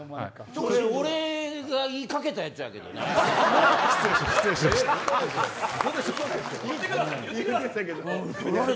俺が言いかけたやつやけどね、それ。